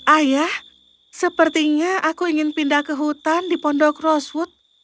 ayah sepertinya aku ingin pindah ke hutan di pondok rosewood